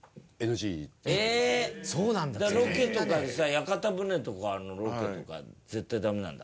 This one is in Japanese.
じゃあロケとかでさ屋形船とかのロケとか絶対ダメなんだ。